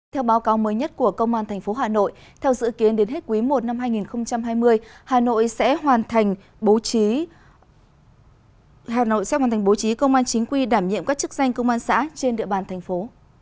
theo báo cáo mới nhất của công an thành phố hà nội theo dự kiến đến hết quý i năm hai nghìn hai mươi hà nội sẽ hoàn thành bố trí công an chính quy đảm nhiệm các chức danh công an xã trên địa bàn thành phố